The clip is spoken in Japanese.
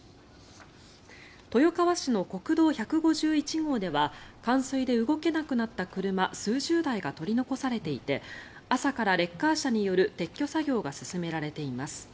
豊川市の国道１５１号では冠水で動けなくなった車数十台が取り残されていて朝からレッカー車による撤去作業が進められています。